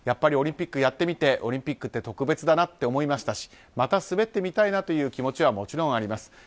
オリンピックをやってみてオリンピックって特別だなって思いましたしまた滑ってみたいなという気持ちはもちろんあります。